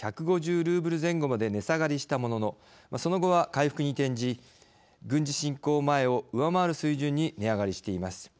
ルーブル前後まで値下がりしたもののその後は、回復に転じ軍事侵攻前を上回る水準に値上がりしています。